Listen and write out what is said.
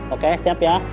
oke siap ya